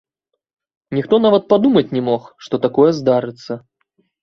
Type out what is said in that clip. Ніхто нават падумаць не мог, што такое здарыцца.